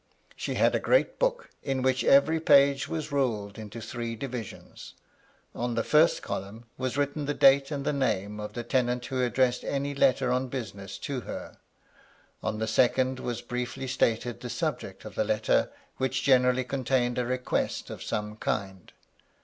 She had a great book, in which every page was ruled into three divisions ; on the first column was written the date and the name of the tenant who addressed any letter on business to her ; on the second was briefly stated the subject of the letter, which gene rally contained a request of some kind.